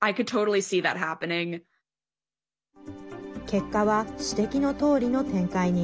結果は、指摘のとおりの展開に。